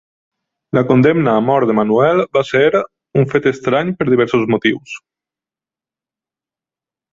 La condemna a mort de Manuel va ser un fet estrany per diversos motius.